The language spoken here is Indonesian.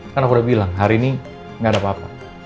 kan aku udah bilang hari ini gak ada apa apa